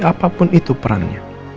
apapun itu perangnya